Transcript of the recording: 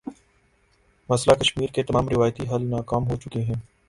مسئلہ کشمیر کے تمام روایتی حل ناکام ہو چکے ہیں۔